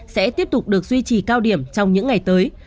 sẽ tiếp tục được duy trì cao điểm trong những ngày tới